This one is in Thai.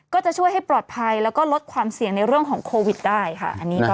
ก็จะช่วยให้ปลอดภัยแล้วก็ลดความเสี่ยงในเรื่องของโควิดได้ค่ะ